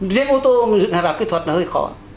dựng hàng rào kỹ thuật là hơi khó